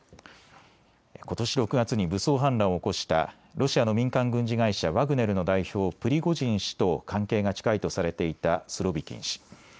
ことし６月に武装反乱を起こしたロシアの民間軍事会社、ワグネルの代表、プリゴジン氏と関係が近いとされていたスロビキン氏。